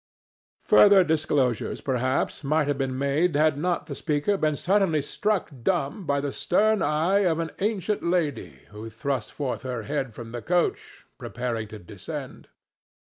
Further disclosures, perhaps, might have been made had not the speaker been suddenly struck dumb by the stern eye of an ancient lady who thrust forth her head from the coach, preparing to descend.